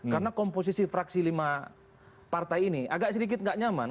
karena komposisi fraksi lima partai ini agak sedikit nggak nyaman